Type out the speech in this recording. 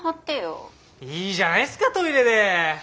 いいじゃないっすかトイレで。